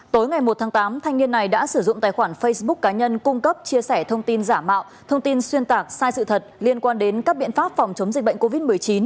tối ngày một tháng tám thanh niên này đã sử dụng tài khoản facebook cá nhân cung cấp chia sẻ thông tin giả mạo thông tin xuyên tạc sai sự thật liên quan đến các biện pháp phòng chống dịch bệnh covid một mươi chín